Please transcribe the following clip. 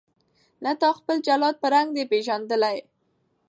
نه تا خپل جلاد په رنګ دی پیژندلی